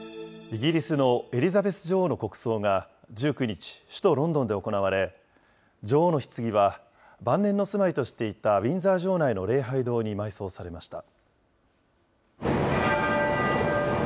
イギリスのエリザベス女王の国葬が１９日、首都ロンドンで行われ、女王のひつぎは晩年の住まいとしていたウィンザー城内の礼拝堂に埋葬されました。